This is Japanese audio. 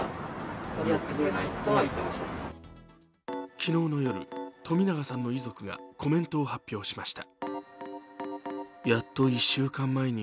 昨日の夜、冨永さんの遺族がコメントを発表しました。